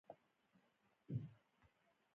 سټېفنس ځواب ورکوي زه له هغې راتلونکې راستون شوی یم.